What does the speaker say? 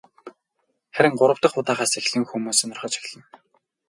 Харин гурав дахь удаагаас эхлэн хүмүүс сонирхож эхэлнэ.